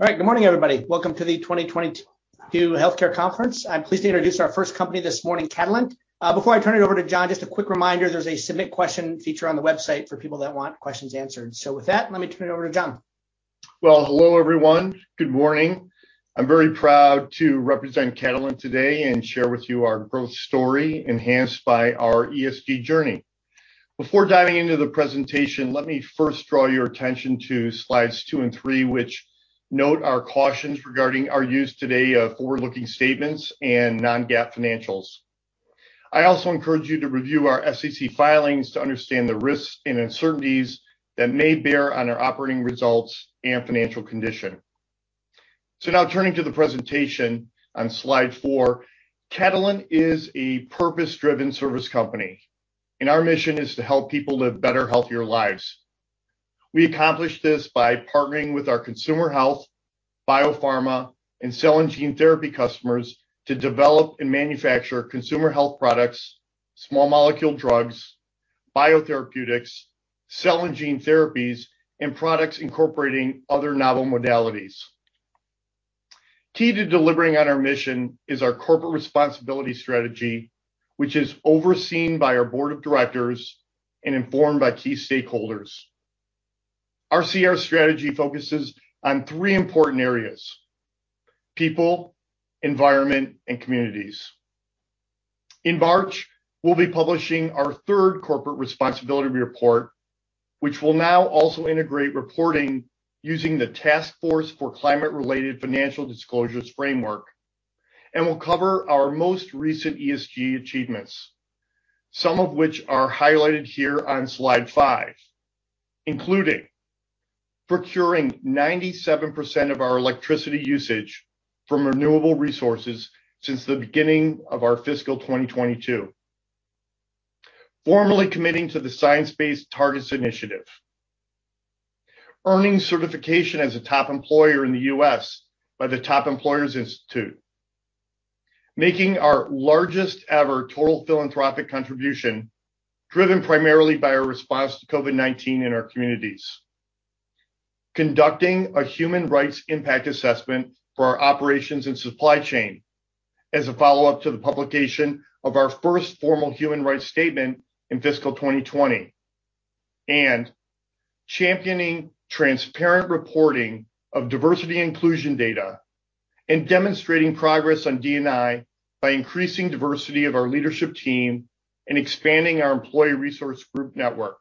All right, good morning, everybody. Welcome to the 2022 Healthcare Conference. I'm pleased to introduce our first company this morning, Catalent. Before I turn it over to John, just a quick reminder, there's a submit question feature on the website for people that want questions answered. So with that, let me turn it over to John. Well, hello, everyone. Good morning. I'm very proud to represent Catalent today and share with you our growth story enhanced by our ESG journey. Before diving into the presentation, let me first draw your attention to slides two and three, which note our cautions regarding our use today of forward-looking statements and non-GAAP financials. I also encourage you to review our SEC filings to understand the risks and uncertainties that may bear on our operating results and financial condition, so now, turning to the presentation on slide four, Catalent is a purpose-driven service company and our mission is to help people live better, healthier lives. We accomplish this by partnering with our consumer health, biopharma, and cell and gene therapy customers to develop and manufacture consumer health products, small molecule drugs, biotherapeutics, cell and gene therapies, and products incorporating other novel modalities. Key to delivering on our mission is our corporate responsibility strategy, which is overseen by our board of directors and informed by key stakeholders. Our CR strategy focuses on three important areas: people, environment, and communities. In March, we'll be publishing our third corporate responsibility report, which will now also integrate reporting using the Task Force on Climate-Related Financial Disclosures framework, and will cover our most recent ESG achievements, some of which are highlighted here on slide five, including procuring 97% of our electricity usage from renewable resources since the beginning of our fiscal 2022, formally committing to the Science Based Targets initiative, earning certification as a top employer in the U.S. by the Top Employers Institute, making our largest ever total philanthropic contribution driven primarily by our response to COVID-19 in our communities, conducting a human rights impact assessment for our operations and supply chain as a follow-up to the publication of our first formal human rights statement in fiscal 2020, and championing transparent reporting of diversity inclusion data and demonstrating progress on D&I by increasing diversity of our leadership team and expanding our employee resource group network.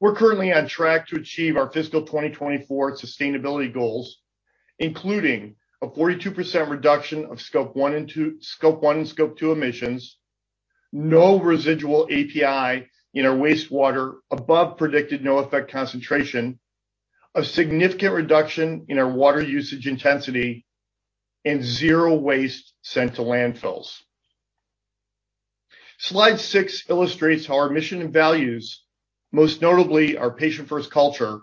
We're currently on track to achieve our fiscal 2024 sustainability goals, including a 42% reduction of Scope 1 and Scope 2 emissions, no residual API in our wastewater above Predicted No-Effect Concentration, a significant reduction in our water usage intensity, and zero waste sent to landfills. Slide six illustrates how our mission and values, most notably our patient-first culture,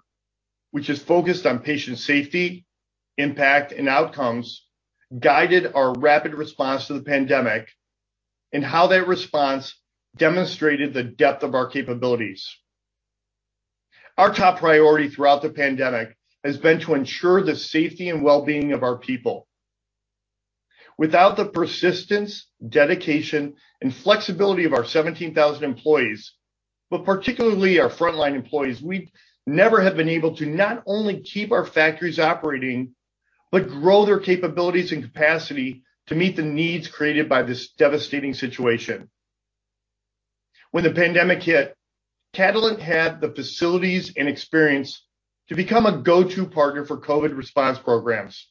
which is focused on patient safety, impact, and outcomes, guided our rapid response to the pandemic and how that response demonstrated the depth of our capabilities. Our top priority throughout the pandemic has been to ensure the safety and well-being of our people. Without the persistence, dedication, and flexibility of our 17,000 employees, but particularly our frontline employees, we'd never have been able to not only keep our factories operating, but grow their capabilities and capacity to meet the needs created by this devastating situation. When the pandemic hit, Catalent had the facilities and experience to become a go-to partner for COVID response programs.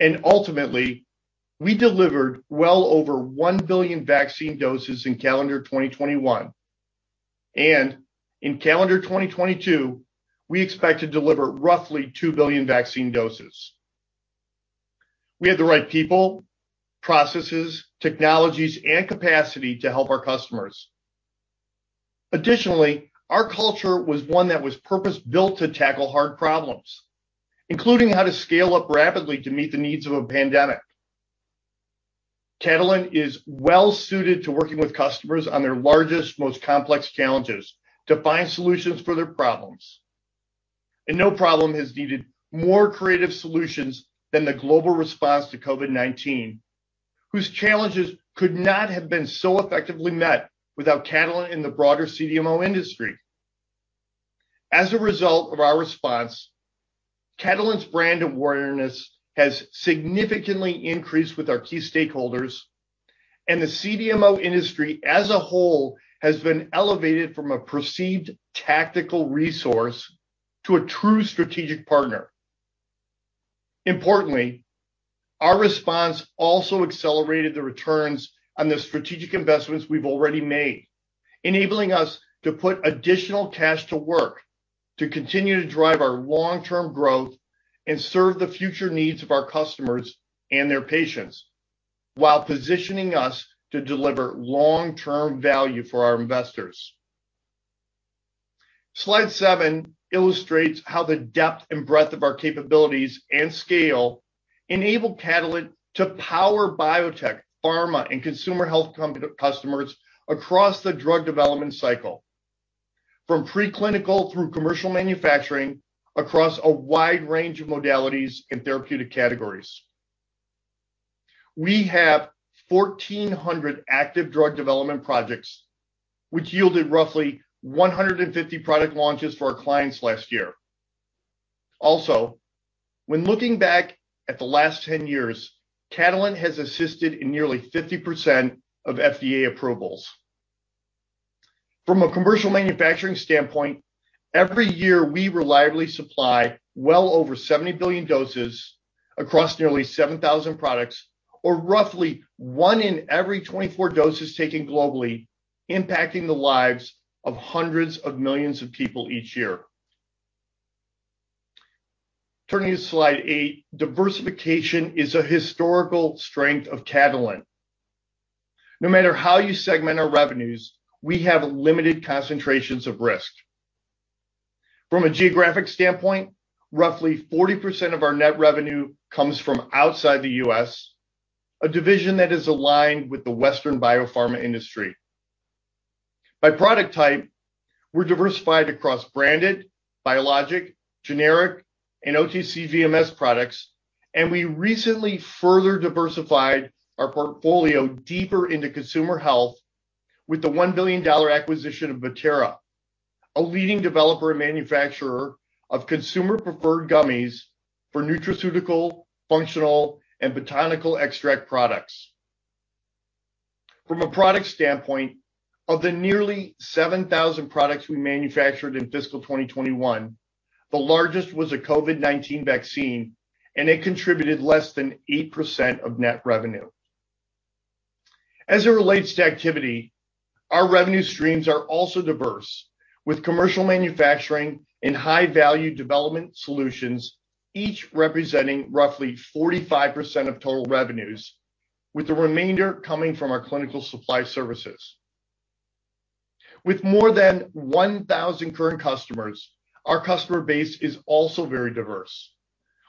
And ultimately, we delivered well over one billion vaccine doses in calendar 2021. And in calendar 2022, we expect to deliver roughly two billion vaccine doses. We have the right people, processes, technologies, and capacity to help our customers. Additionally, our culture was one that was purpose-built to tackle hard problems, including how to scale up rapidly to meet the needs of a pandemic. Catalent is well-suited to working with customers on their largest, most complex challenges to find solutions for their problems. And no problem has needed more creative solutions than the global response to COVID-19, whose challenges could not have been so effectively met without Catalent in the broader CDMO industry. As a result of our response, Catalent's brand awareness has significantly increased with our key stakeholders, and the CDMO industry as a whole has been elevated from a perceived tactical resource to a true strategic partner. Importantly, our response also accelerated the returns on the strategic investments we've already made, enabling us to put additional cash to work to continue to drive our long-term growth and serve the future needs of our customers and their patients, while positioning us to deliver long-term value for our investors. Slide seven illustrates how the depth and breadth of our capabilities and scale enable Catalent to power biotech, pharma, and consumer health customers across the drug development cycle, from preclinical through commercial manufacturing across a wide range of modalities and therapeutic categories. We have 1,400 active drug development projects, which yielded roughly 150 product launches for our clients last year. Also, when looking back at the last 10 years, Catalent has assisted in nearly 50% of FDA approvals. From a commercial manufacturing standpoint, every year we reliably supply well over 70 billion doses across nearly 7,000 products, or roughly one in every 24 doses taken globally, impacting the lives of hundreds of millions of people each year. Turning to slide eight, diversification is a historical strength of Catalent. No matter how you segment our revenues, we have limited concentrations of risk. From a geographic standpoint, roughly 40% of our net revenue comes from outside the US, a division that is aligned with the Western biopharma industry. By product type, we're diversified across branded, biologic, generic, and OTC VMS products, and we recently further diversified our portfolio deeper into consumer health with the $1 billion acquisition of Bettera Brands, a leading developer and manufacturer of consumer-preferred gummies for nutraceutical, functional, and botanical extract products. From a product standpoint, of the nearly 7,000 products we manufactured in fiscal 2021, the largest was a COVID-19 vaccine, and it contributed less than 8% of net revenue. As it relates to activity, our revenue streams are also diverse, with commercial manufacturing and high-value development solutions, each representing roughly 45% of total revenues, with the remainder coming from our clinical supply services. With more than 1,000 current customers, our customer base is also very diverse.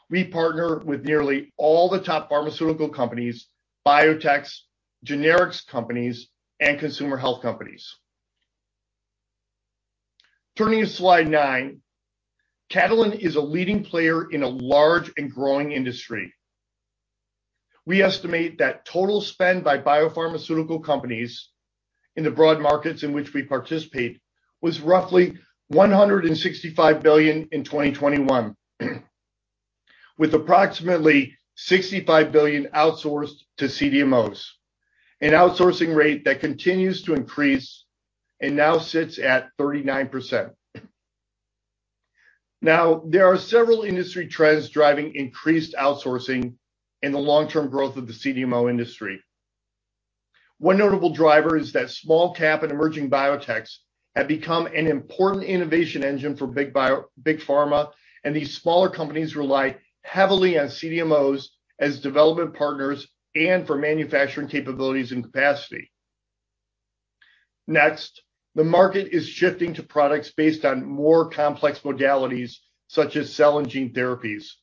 We partner with nearly all the top pharmaceutical companies, biotechs, generics companies, and consumer health companies. Turning to slide nine, Catalent is a leading player in a large and growing industry. We estimate that total spend by biopharmaceutical companies in the broad markets in which we participate was roughly $165 billion in 2021, with approximately $65 billion outsourced to CDMOs, an outsourcing rate that continues to increase and now sits at 39%. Now, there are several industry trends driving increased outsourcing and the long-term growth of the CDMO industry. One notable driver is that small cap and emerging biotechs have become an important innovation engine for big pharma, and these smaller companies rely heavily on CDMOs as development partners and for manufacturing capabilities and capacity. Next, the market is shifting to products based on more complex modalities, such as cell and gene therapies,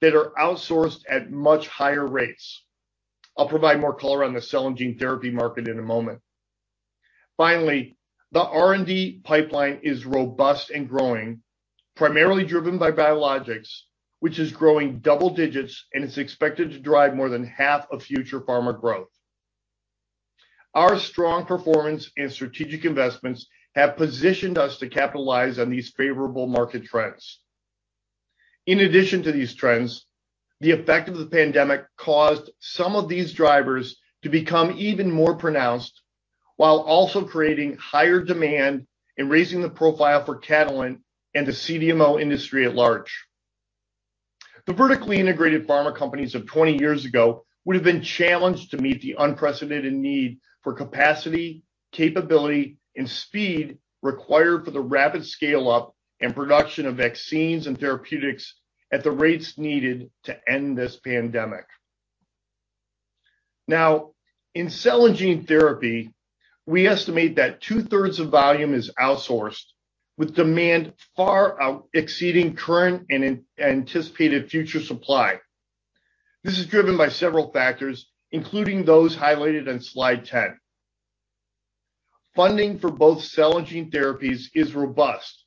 that are outsourced at much higher rates. I'll provide more color on the cell and gene therapy market in a moment. Finally, the R&D pipeline is robust and growing, primarily driven by biologics, which is growing double digits and is expected to drive more than half of future pharma growth. Our strong performance and strategic investments have positioned us to capitalize on these favorable market trends. In addition to these trends, the effect of the pandemic caused some of these drivers to become even more pronounced, while also creating higher demand and raising the profile for Catalent and the CDMO industry at large. The vertically integrated pharma companies of 20 years ago would have been challenged to meet the unprecedented need for capacity, capability, and speed required for the rapid scale-up and production of vaccines and therapeutics at the rates needed to end this pandemic. Now, in cell and gene therapy, we estimate that two-thirds of volume is outsourced, with demand far exceeding current and anticipated future supply. This is driven by several factors, including those highlighted on slide 10. Funding for both cell and gene therapies is robust,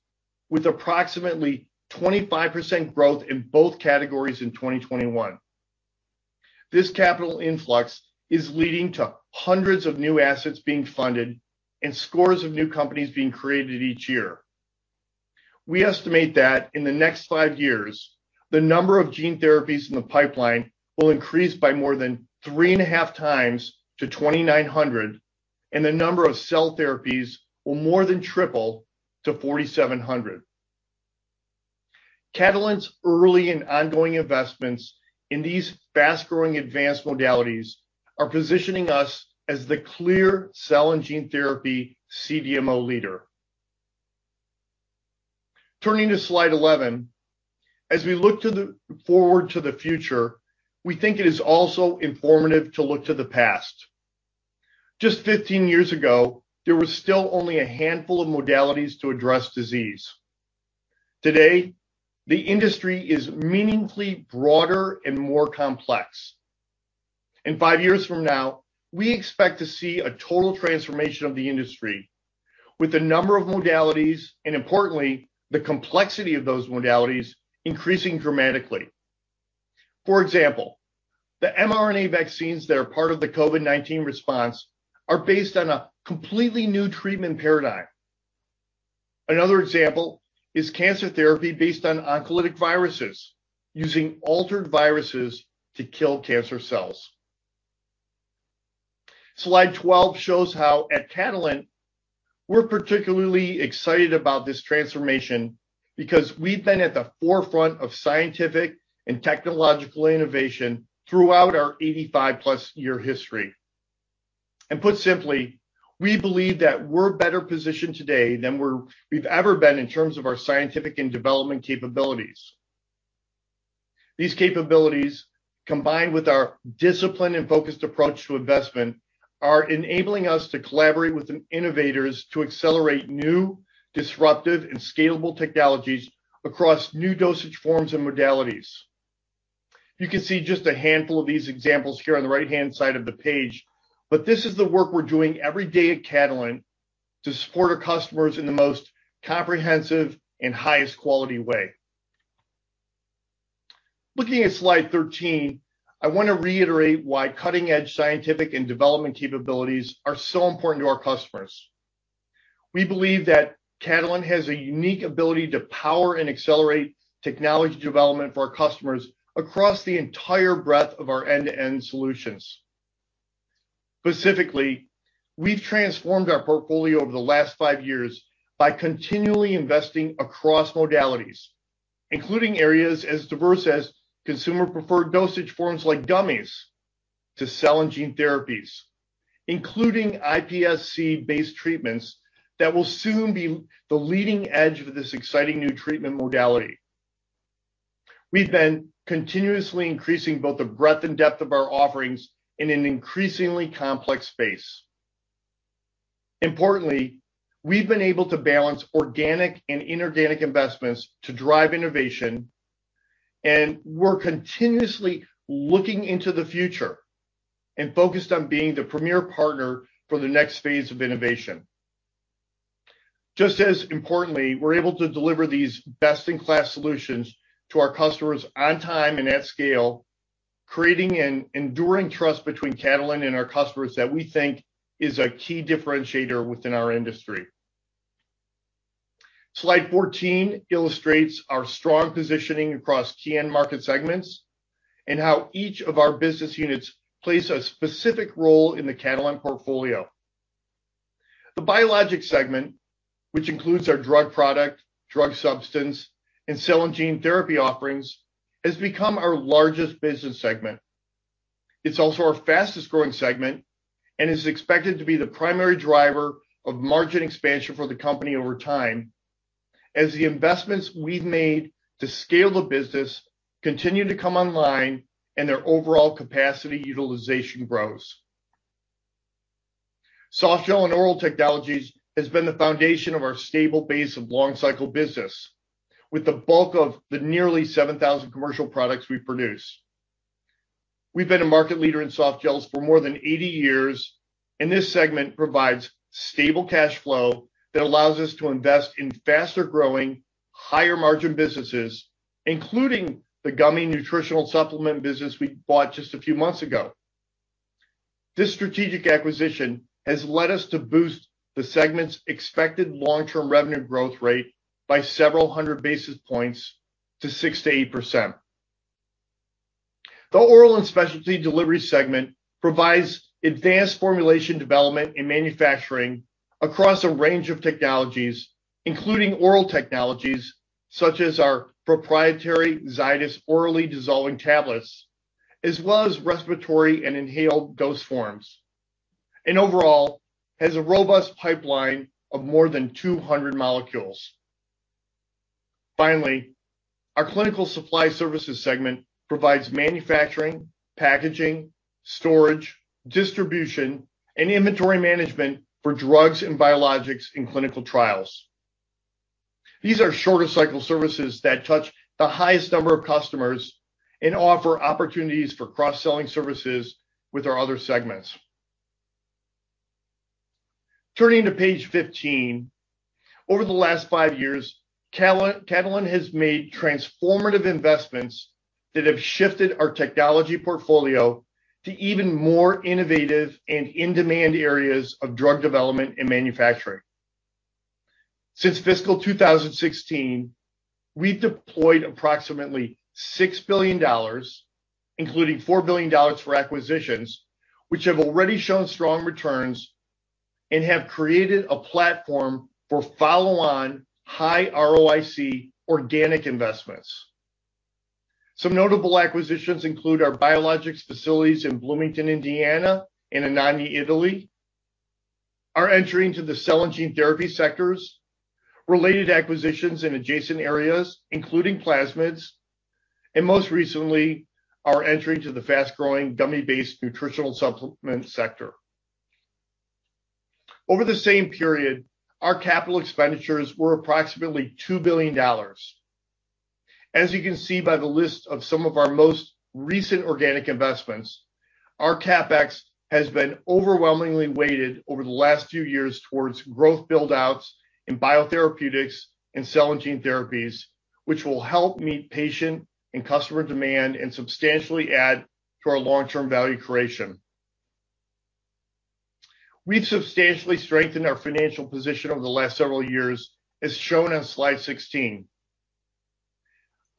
with approximately 25% growth in both categories in 2021. This capital influx is leading to hundreds of new assets being funded and scores of new companies being created each year. We estimate that in the next five years, the number of gene therapies in the pipeline will increase by more than three and a half times to 2,900, and the number of cell therapies will more than triple to 4,700. Catalent's early and ongoing investments in these fast-growing advanced modalities are positioning us as the clear cell and gene therapy CDMO leader. Turning to slide 11, as we look forward to the future, we think it is also informative to look to the past. Just 15 years ago, there was still only a handful of modalities to address disease. Today, the industry is meaningfully broader and more complex. In five years from now, we expect to see a total transformation of the industry, with the number of modalities and, importantly, the complexity of those modalities increasing dramatically. For example, the mRNA vaccines that are part of the COVID-19 response are based on a completely new treatment paradigm. Another example is cancer therapy based on oncolytic viruses, using altered viruses to kill cancer cells. Slide 12 shows how at Catalent, we're particularly excited about this transformation because we've been at the forefront of scientific and technological innovation throughout our 85+ year history, and put simply, we believe that we're better positioned today than we've ever been in terms of our scientific and development capabilities. These capabilities, combined with our disciplined and focused approach to investment, are enabling us to collaborate with innovators to accelerate new, disruptive, and scalable technologies across new dosage forms and modalities. You can see just a handful of these examples here on the right-hand side of the page, but this is the work we're doing every day at Catalent to support our customers in the most comprehensive and highest quality way. Looking at slide 13, I want to reiterate why cutting-edge scientific and development capabilities are so important to our customers. We believe that Catalent has a unique ability to power and accelerate technology development for our customers across the entire breadth of our end-to-end solutions. Specifically, we've transformed our portfolio over the last five years by continually investing across modalities, including areas as diverse as consumer-preferred dosage forms like gummies to cell and gene therapies, including iPSC-based treatments that will soon be the leading edge of this exciting new treatment modality. We've been continuously increasing both the breadth and depth of our offerings in an increasingly complex space. Importantly, we've been able to balance organic and inorganic investments to drive innovation, and we're continuously looking into the future and focused on being the premier partner for the next phase of innovation. Just as importantly, we're able to deliver these best-in-class solutions to our customers on time and at scale, creating an enduring trust between Catalent and our customers that we think is a key differentiator within our industry. Slide 14 illustrates our strong positioning across key end market segments and how each of our business units plays a specific role in the Catalent portfolio. The biologics segment, which includes our drug product, drug substance, and cell and gene therapy offerings, has become our largest business segment. It's also our fastest-growing segment and is expected to be the primary driver of margin expansion for the company over time, as the investments we've made to scale the business continue to come online and their overall capacity utilization grows. Softgel and oral technologies have been the foundation of our stable base of long-cycle business, with the bulk of the nearly 7,000 commercial products we produce. We've been a market leader in softgels for more than 80 years, and this segment provides stable cash flow that allows us to invest in faster-growing, higher-margin businesses, including the gummy nutritional supplement business we bought just a few months ago. This strategic acquisition has led us to boost the segment's expected long-term revenue growth rate by several hundred basis points to 6%-8%. The oral and specialty delivery segment provides advanced formulation development and manufacturing across a range of technologies, including oral technologies such as our proprietary Zydis orally dissolving tablets, as well as respiratory and inhaled dose forms, and overall has a robust pipeline of more than 200 molecules. Finally, our clinical supply services segment provides manufacturing, packaging, storage, distribution, and inventory management for drugs and biologics in clinical trials. These are shorter-cycle services that touch the highest number of customers and offer opportunities for cross-selling services with our other segments. Turning to page 15, over the last five years, Catalent has made transformative investments that have shifted our technology portfolio to even more innovative and in-demand areas of drug development and manufacturing. Since fiscal 2016, we've deployed approximately $6 billion, including $4 billion for acquisitions, which have already shown strong returns and have created a platform for follow-on, high ROIC organic investments. Some notable acquisitions include our biologics facilities in Bloomington, Indiana, and Anagni, Italy. Our entry into the cell and gene therapy sectors, related acquisitions in adjacent areas, including plasmids, and most recently, our entry into the fast-growing gummy-based nutritional supplement sector. Over the same period, our capital expenditures were approximately $2 billion. As you can see by the list of some of our most recent organic investments, our CapEx has been overwhelmingly weighted over the last few years towards growth buildouts in biotherapeutics and cell and gene therapies, which will help meet patient and customer demand and substantially add to our long-term value creation. We've substantially strengthened our financial position over the last several years, as shown on slide 16.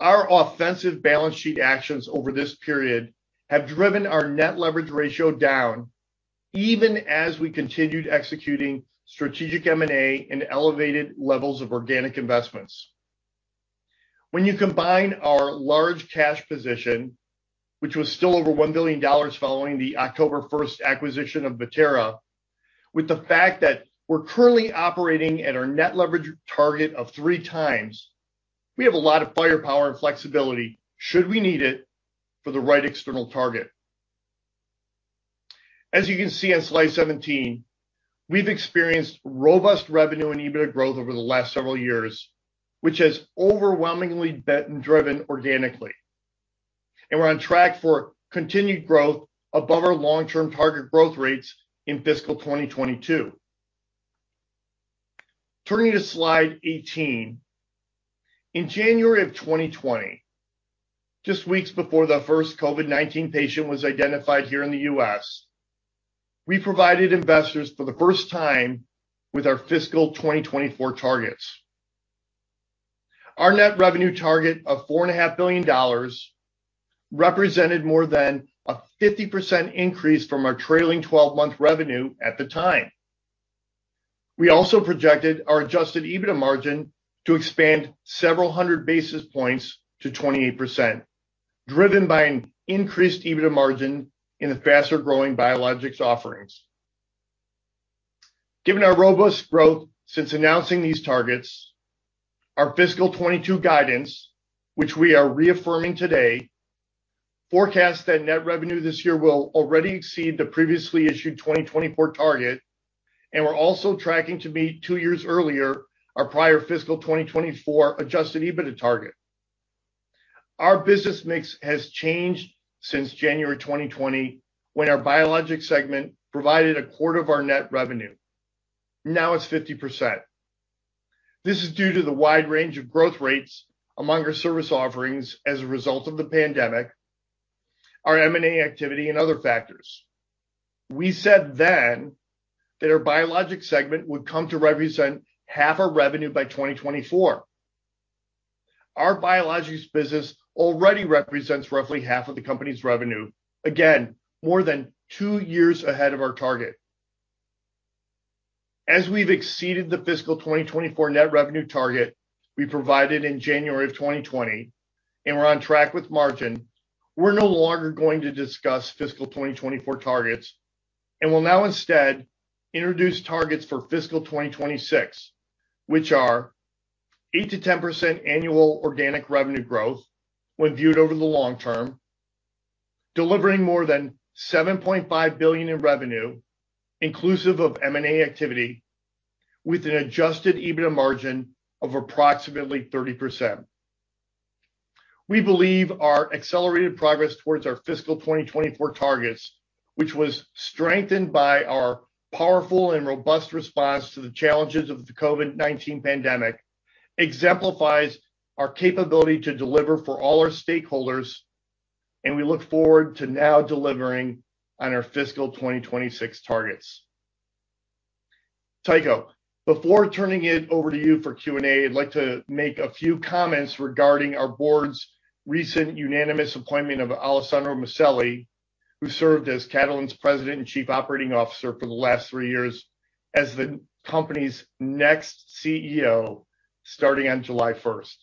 Our offensive balance sheet actions over this period have driven our net leverage ratio down, even as we continued executing strategic M&A and elevated levels of organic investments. When you combine our large cash position, which was still over $1 billion following the October 1st acquisition of Bettera Brands, with the fact that we're currently operating at our net leverage target of three times, we have a lot of firepower and flexibility should we need it for the right external target. As you can see on slide 17, we've experienced robust revenue and EBITDA growth over the last several years, which has overwhelmingly been driven organically. And we're on track for continued growth above our long-term target growth rates in fiscal 2022. Turning to slide 18, in January of 2020, just weeks before the first COVID-19 patient was identified here in the U.S., we provided investors for the first time with our fiscal 2024 targets. Our net revenue target of $4.5 billion represented more than a 50% increase from our trailing 12-month revenue at the time. We also projected our adjusted EBITDA margin to expand several hundred basis points to 28%, driven by an increased EBITDA margin in the faster-growing biologics offerings. Given our robust growth since announcing these targets, our fiscal 2022 guidance, which we are reaffirming today, forecasts that net revenue this year will already exceed the previously issued 2024 target, and we're also tracking to meet two years earlier our prior fiscal 2024 adjusted EBITDA target. Our business mix has changed since January 2020, when our biologics segment provided a quarter of our net revenue. Now it's 50%. This is due to the wide range of growth rates among our service offerings as a result of the pandemic, our M&A activity, and other factors. We said then that our biologics segment would come to represent half our revenue by 2024. Our biologics business already represents roughly half of the company's revenue, again, more than two years ahead of our target. As we've exceeded the fiscal 2024 net revenue target we provided in January of 2020, and we're on track with margin, we're no longer going to discuss fiscal 2024 targets, and we'll now instead introduce targets for fiscal 2026, which are 8%-10% annual organic revenue growth when viewed over the long term, delivering more than $7.5 billion in revenue, inclusive of M&A activity, with an adjusted EBITDA margin of approximately 30%. We believe our accelerated progress towards our fiscal 2024 targets, which was strengthened by our powerful and robust response to the challenges of the COVID-19 pandemic, exemplifies our capability to deliver for all our stakeholders, and we look forward to now delivering on our fiscal 2026 targets. Tycho, before turning it over to you for Q&A, I'd like to make a few comments regarding our board's recent unanimous appointment of Alessandro Maselli, who served as Catalent's President and Chief Operating Officer for the last three years as the company's next CEO starting on July 1st.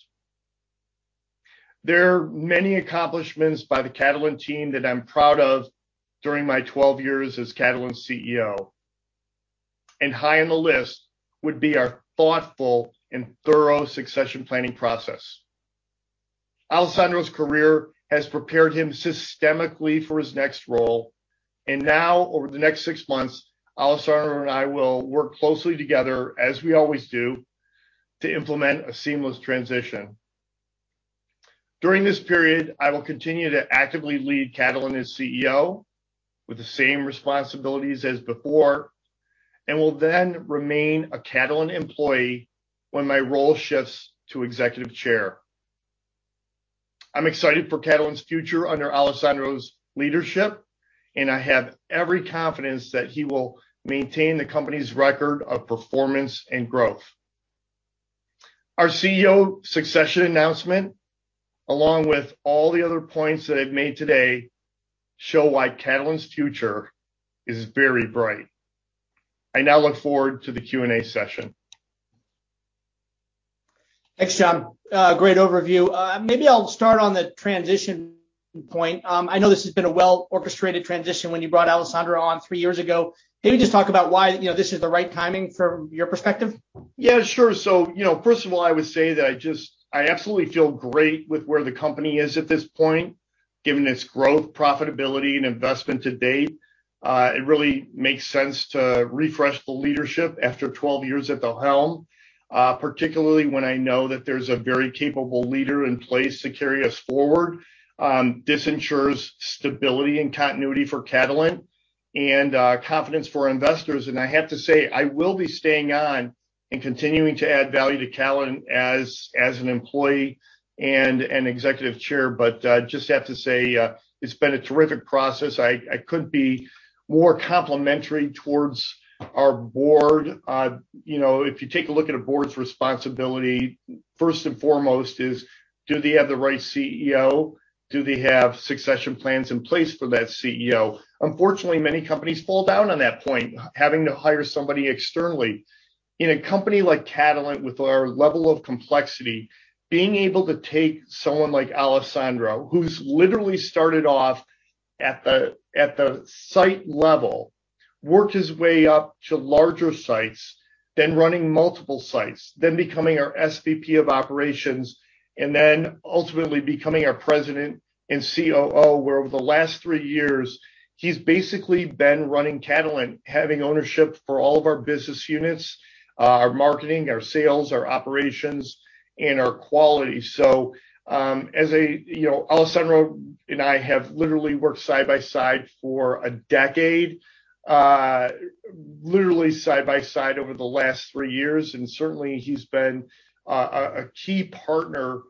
There are many accomplishments by the Catalent team that I'm proud of during my 12 years as Catalent's CEO, and high on the list would be our thoughtful and thorough succession planning process. Alessandro's career has prepared him systematically for his next role, and now, over the next six months, Alessandro and I will work closely together, as we always do, to implement a seamless transition. During this period, I will continue to actively lead Catalent as CEO with the same responsibilities as before and will then remain a Catalent employee when my role shifts to Executive Chair. I'm excited for Catalent's future under Alessandro's leadership, and I have every confidence that he will maintain the company's record of performance and growth. Our CEO succession announcement, along with all the other points that I've made today, show why Catalent's future is very bright. I now look forward to the Q&A session. Thanks, John. Great overview. Maybe I'll start on the transition point. I know this has been a well-orchestrated transition when you brought Alessandro on three years ago. Maybe just talk about why this is the right timing from your perspective. Yeah, sure. So first of all, I would say that I absolutely feel great with where the company is at this point, given its growth, profitability, and investment to date. It really makes sense to refresh the leadership after 12 years at the helm, particularly when I know that there's a very capable leader in place to carry us forward. This ensures stability and continuity for Catalent and confidence for investors. And I have to say, I will be staying on and continuing to add value to Catalent as an employee and an executive chair, but just have to say, it's been a terrific process. I couldn't be more complimentary towards our board. If you take a look at a board's responsibility, first and foremost is, do they have the right CEO? Do they have succession plans in place for that CEO? Unfortunately, many companies fall down on that point, having to hire somebody externally. In a company like Catalent, with our level of complexity, being able to take someone like Alessandro, who's literally started off at the site level, worked his way up to larger sites, then running multiple sites, then becoming our SVP of Operations, and then ultimately becoming our President and COO, where over the last three years, he's basically been running Catalent, having ownership for all of our business units, our marketing, our sales, our operations, and our quality, so Alessandro and I have literally worked side by side for a decade, literally side by side over the last three years, and certainly, he's been a key partner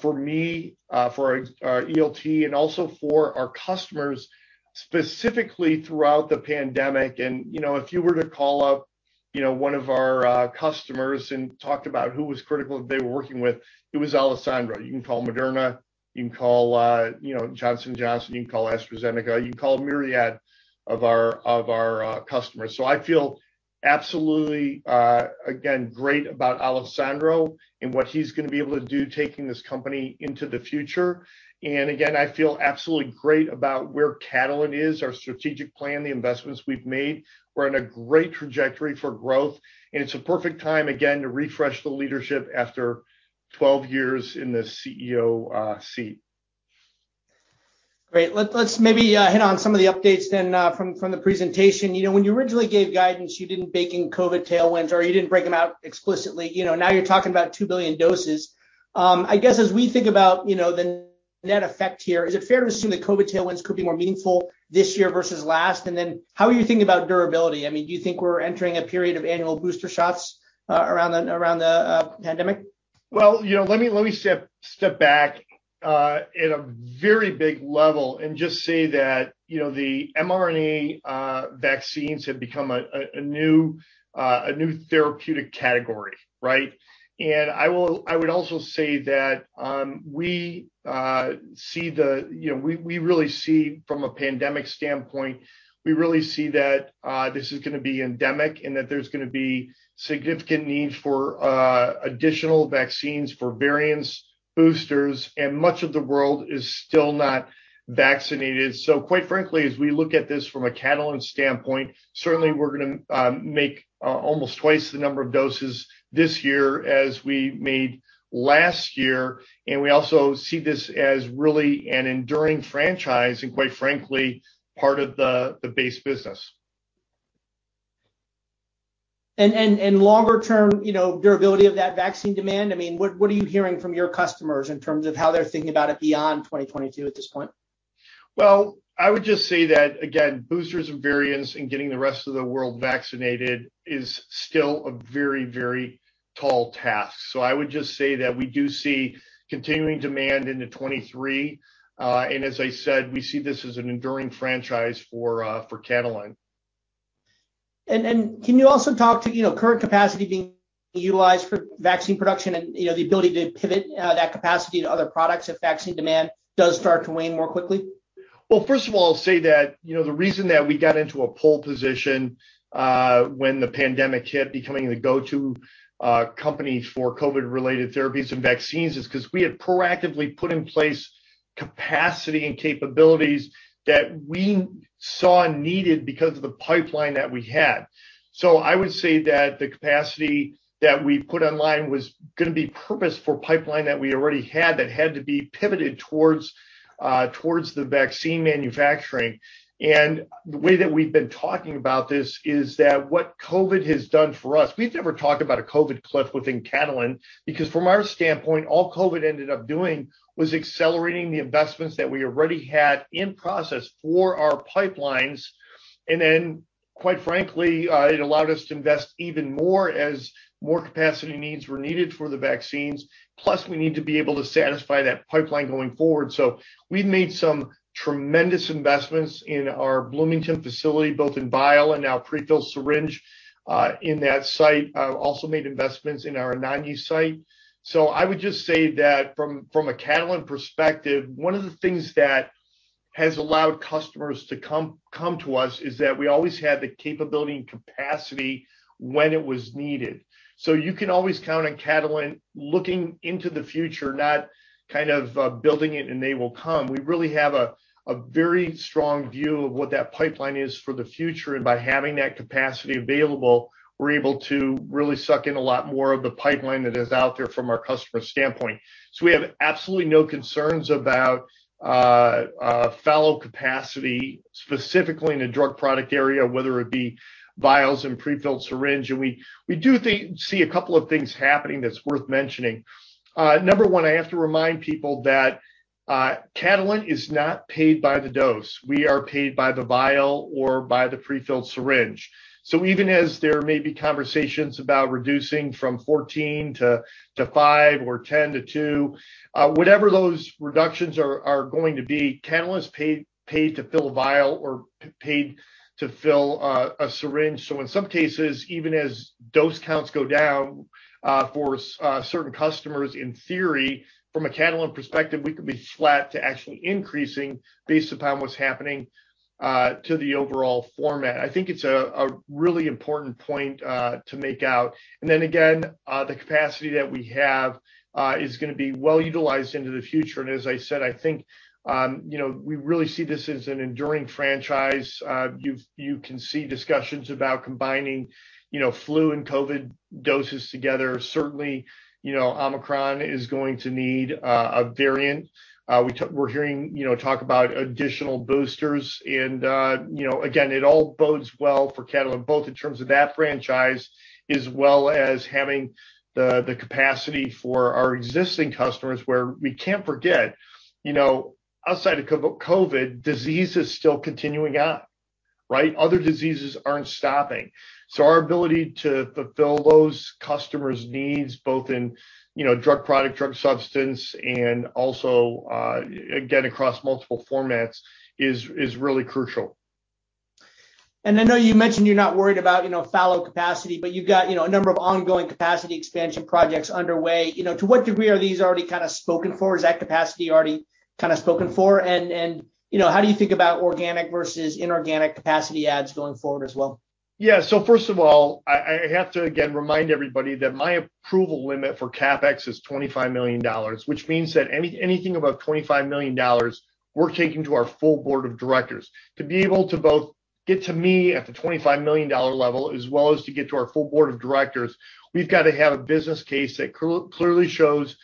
for me, for our ELT, and also for our customers specifically throughout the pandemic, and if you were to call up one of our customers and talk about who was critical that they were working with, it was Alessandro. You can call Moderna. You can call Johnson & Johnson. You can call AstraZeneca. You can call a myriad of our customers. So I feel absolutely, again, great about Alessandro and what he's going to be able to do taking this company into the future. And again, I feel absolutely great about where Catalent is, our strategic plan, the investments we've made. We're on a great trajectory for growth, and it's a perfect time, again, to refresh the leadership after 12 years in the CEO seat. Great. Let's maybe hit on some of the updates then from the presentation. When you originally gave guidance, you didn't bake in COVID tailwinds, or you didn't break them out explicitly. Now you're talking about 2 billion doses. I guess as we think about the net effect here, is it fair to assume that COVID tailwinds could be more meaningful this year versus last? And then how are you thinking about durability? I mean, do you think we're entering a period of annual booster shots around the pandemic? Well, let me step back at a very big level and just say that the mRNA vaccines have become a new therapeutic category, right? And I would also say that we really see, from a pandemic standpoint, we really see that this is going to be endemic and that there's going to be significant need for additional vaccines for variants, boosters, and much of the world is still not vaccinated. So quite frankly, as we look at this from a Catalent standpoint, certainly, we're going to make almost twice the number of doses this year as we made last year, and we also see this as really an enduring franchise and, quite frankly, part of the base business. Longer-term durability of that vaccine demand? I mean, what are you hearing from your customers in terms of how they're thinking about it beyond 2022 at this point? Well, I would just say that, again, boosters and variants and getting the rest of the world vaccinated is still a very, very tall task. So I would just say that we do see continuing demand into 2023, and as I said, we see this as an enduring franchise for Catalent. Can you also talk to current capacity being utilized for vaccine production and the ability to pivot that capacity to other products if vaccine demand does start to wane more quickly? First of all, I'll say that the reason that we got into a pole position when the pandemic hit, becoming the go-to companies for COVID-related therapies and vaccines, is because we had proactively put in place capacity and capabilities that we saw needed because of the pipeline that we had. So I would say that the capacity that we put online was going to be purposed for pipeline that we already had that had to be pivoted towards the vaccine manufacturing. And the way that we've been talking about this is that what COVID has done for us, we've never talked about a COVID cliff within Catalent because, from our standpoint, all COVID ended up doing was accelerating the investments that we already had in process for our pipelines. And then, quite frankly, it allowed us to invest even more as more capacity needs were needed for the vaccines. Plus, we need to be able to satisfy that pipeline going forward. We've made some tremendous investments in our Bloomington facility, both in Bio and now prefilled syringe in that site. I've also made investments in our Anagni site. From a Catalent perspective, one of the things that has allowed customers to come to us is that we always had the capability and capacity when it was needed. You can always count on Catalent looking into the future, not kind of building it and they will come. We really have a very strong view of what that pipeline is for the future, and by having that capacity available, we're able to really suck in a lot more of the pipeline that is out there from our customer standpoint. We have absolutely no concerns about fallow capacity, specifically in the drug product area, whether it be vials and prefilled syringes. We do see a couple of things happening that's worth mentioning. Number one, I have to remind people that Catalent is not paid by the dose. We are paid by the vial or by the prefilled syringe. Even as there may be conversations about reducing from 14 to five or 10 to two, whatever those reductions are going to be, Catalent is paid to fill a vial or paid to fill a syringe. In some cases, even as dose counts go down for certain customers, in theory, from a Catalent perspective, we could be flat to actually increasing based upon what's happening to the overall format. I think it's a really important point to make out. And then, again, the capacity that we have is going to be well utilized into the future. And as I said, I think we really see this as an enduring franchise. You can see discussions about combining flu and COVID doses together. Certainly, Omicron is going to need a variant. We're hearing talk about additional boosters. And again, it all bodes well for Catalent, both in terms of that franchise as well as having the capacity for our existing customers, where we can't forget, outside of COVID, disease is still continuing on, right? Other diseases aren't stopping. So our ability to fulfill those customers' needs, both in drug product, drug substance, and also, again, across multiple formats, is really crucial. And I know you mentioned you're not worried about fallow capacity, but you've got a number of ongoing capacity expansion projects underway. To what degree are these already kind of spoken for? Is that capacity already kind of spoken for? And how do you think about organic versus inorganic capacity adds going forward as well? Yeah. So first of all, I have to, again, remind everybody that my approval limit for CapEx is $25 million, which means that anything above $25 million, we're taking to our full board of directors. To be able to both get to me at the $25 million level as well as to get to our full board of directors, we've got to have a business case that clearly shows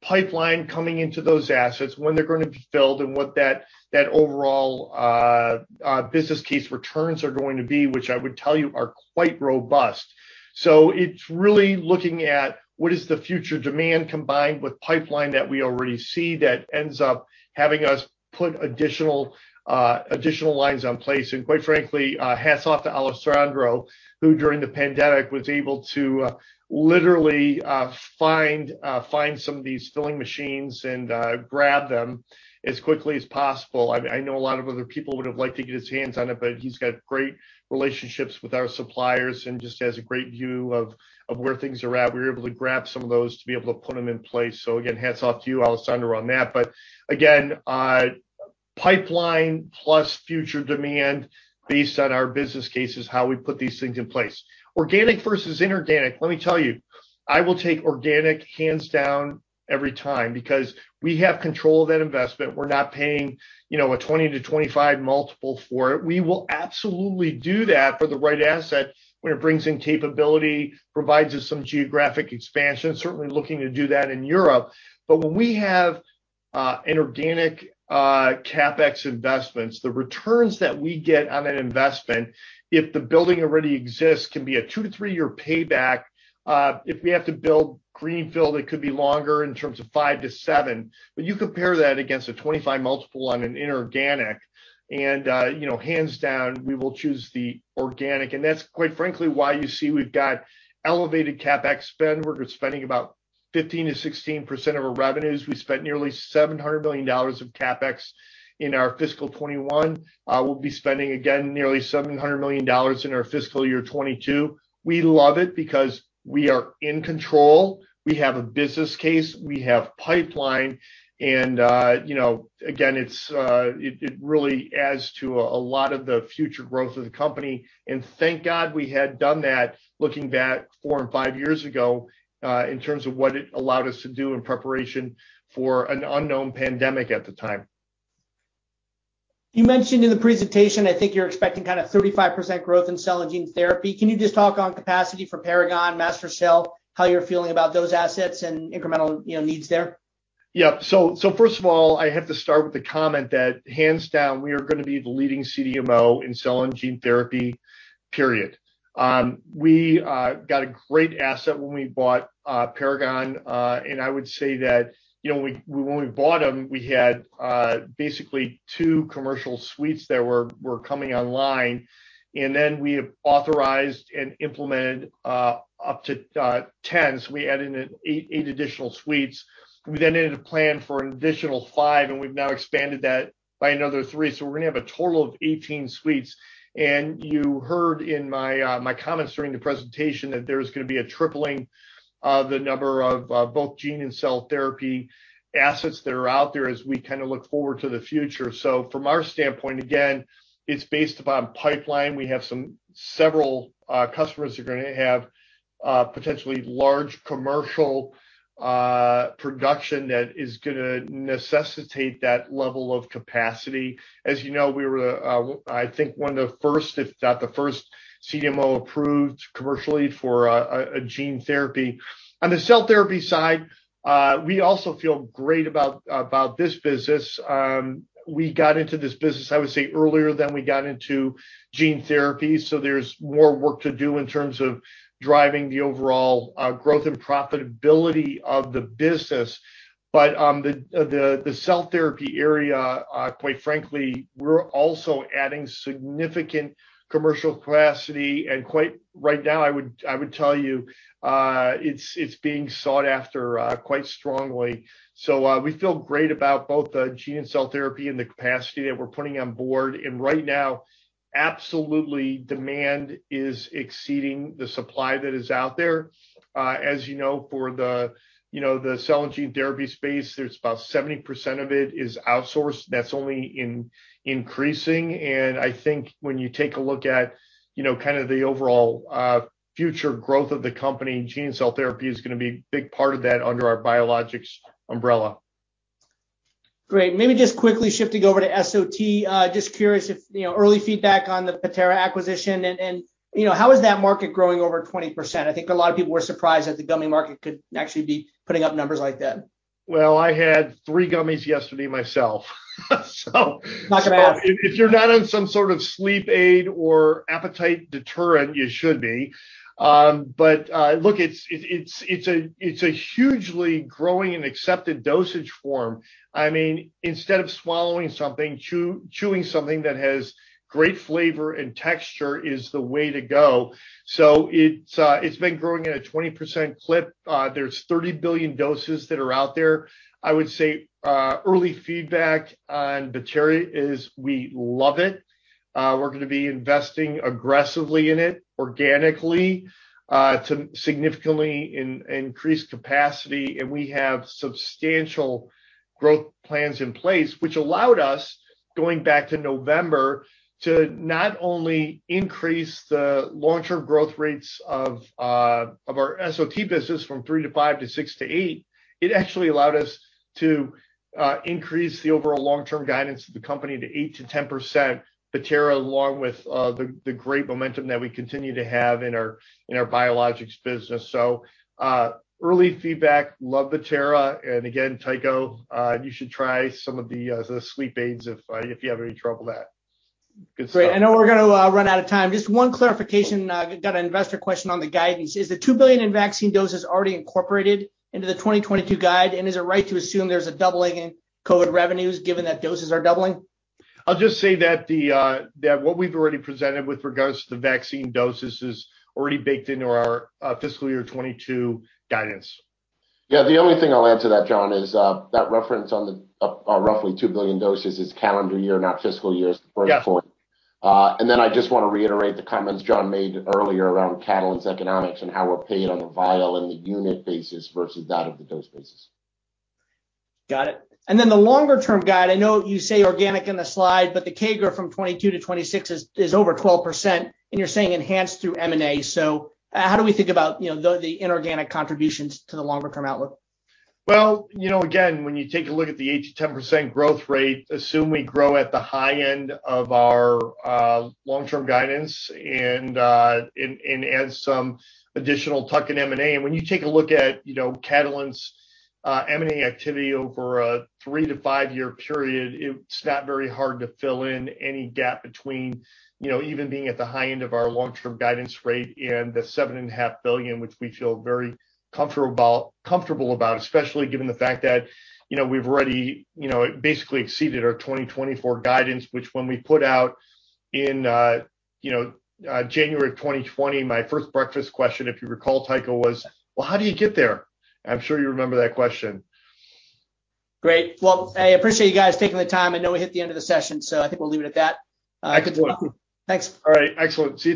pipeline coming into those assets, when they're going to be filled, and what that overall business case returns are going to be, which I would tell you are quite robust. It's really looking at what is the future demand combined with pipeline that we already see that ends up having us put additional lines in place. Quite frankly, hats off to Alessandro, who during the pandemic was able to literally find some of these filling machines and grab them as quickly as possible. I know a lot of other people would have liked to get his hands on it, but he's got great relationships with our suppliers and just has a great view of where things are at. We were able to grab some of those to be able to put them in place. Again, hats off to you, Alessandro, on that. Again, pipeline plus future demand based on our business case is how we put these things in place. Organic versus inorganic, let me tell you, I will take organic hands down every time because we have control of that investment. We're not paying a 20-25 multiple for it. We will absolutely do that for the right asset when it brings in capability, provides us some geographic expansion, certainly looking to do that in Europe. But when we have an organic CapEx investments, the returns that we get on an investment, if the building already exists, can be a two- to three-year payback. If we have to build greenfield, it could be longer in terms of five- to seven. But you compare that against a 25 multiple on an inorganic, and hands down, we will choose the organic. And that's quite frankly why you see we've got elevated CapEx spend. We're spending about 15%-16% of our revenues. We spent nearly $700 million of CapEx in our fiscal 2021. We'll be spending, again, nearly $700 million in our fiscal year 2022. We love it because we are in control. We have a business case. We have pipeline. And again, it really adds to a lot of the future growth of the company. And thank God we had done that looking back four and five years ago in terms of what it allowed us to do in preparation for an unknown pandemic at the time. You mentioned in the presentation, I think you're expecting kind of 35% growth in cell and gene therapy. Can you just talk on capacity for Paragon, MaSTherCell, how you're feeling about those assets and incremental needs there? Yep. So first of all, I have to start with the comment that hands down, we are going to be the leading CDMO in cell and gene therapy, period. We got a great asset when we bought Paragon, and I would say that when we bought them, we had basically two commercial suites that were coming online. And then we authorized and implemented up to 10. So we added eight additional suites. We then ended up planning for an additional five, and we've now expanded that by another three. So we're going to have a total of 18 suites. And you heard in my comments during the presentation that there's going to be a tripling of the number of both gene and cell therapy assets that are out there as we kind of look forward to the future. So from our standpoint, again, it's based upon pipeline. We have several customers that are going to have potentially large commercial production that is going to necessitate that level of capacity. As you know, we were, I think, one of the first, if not the first, CDMO approved commercially for a gene therapy. On the cell therapy side, we also feel great about this business. We got into this business, I would say, earlier than we got into gene therapy. So there's more work to do in terms of driving the overall growth and profitability of the business. But the cell therapy area, quite frankly, we're also adding significant commercial capacity. And right now, I would tell you, it's being sought after quite strongly. So we feel great about both the gene and cell therapy and the capacity that we're putting on board. And right now, absolutely, demand is exceeding the supply that is out there. As you know, for the cell and gene therapy space, there's about 70% of it is outsourced. That's only increasing. And I think when you take a look at kind of the overall future growth of the company, gene and cell therapy is going to be a big part of that under our biologics umbrella. Great. Maybe just quickly shifting over to SOT, just curious if early feedback on the Bettera acquisition and how is that market growing over 20%? I think a lot of people were surprised that the gummy market could actually be putting up numbers like that. Well, I had three gummies yesterday myself, so. Not going to ask. If you're not on some sort of sleep aid or appetite deterrent, you should be. But look, it's a hugely growing and accepted dosage form. I mean, instead of swallowing something, chewing something that has great flavor and texture is the way to go. So it's been growing at a 20% clip. There's 30 billion doses that are out there. I would say early feedback on Bettera is we love it. We're going to be investing aggressively in it organically to significantly increase capacity. And we have substantial growth plans in place, which allowed us, going back to November, to not only increase the long-term growth rates of our SOT business from three to five to six to eight, it actually allowed us to increase the overall long-term guidance of the company to eight to 10%, Bettera along with the great momentum that we continue to have in our biologics business. So early feedback, love Bettera. And again, Tycho, you should try some of the sleep aids if you have any trouble with that. Great. I know we're going to run out of time. Just one clarification. Got an investor question on the guidance. Is the 2 billion in vaccine doses already incorporated into the 2022 guide? And is it right to assume there's a doubling in COVID revenues given that doses are doubling? I'll just say that what we've already presented with regards to the vaccine doses is already baked into our fiscal year 2022 guidance. Yeah. The only thing I'll add to that, John, is that reference on the roughly 2 billion doses is calendar year, not fiscal year, is the first point. And then I just want to reiterate the comments John made earlier around Catalent's economics and how we're paid on the Bio and the unit basis versus that of the dose basis. Got it. And then the longer-term guide, I know you say organic in the slide, but the CAGR from 2022-2026 is over 12%. And you're saying enhanced through M&A. So how do we think about the inorganic contributions to the longer-term outlook? Well, again, when you take a look at the 8%-10% growth rate, assume we grow at the high end of our long-term guidance and add some additional tuck in M&A. And when you take a look at Catalent's M&A activity over a 3-5 year period, it's not very hard to fill in any gap between even being at the high end of our long-term guidance rate and the $7.5 billion, which we feel very comfortable about, especially given the fact that we've already basically exceeded our 2024 guidance, which when we put out in January of 2020, my first breakfast question, if you recall, Tycho, was, "Well, how do you get there?" I'm sure you remember that question. Great. Well, I appreciate you guys taking the time. I know we hit the end of the session, so I think we'll leave it at that. I could do it. Thanks. All right. Excellent.